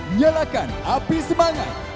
nyalakan api semangat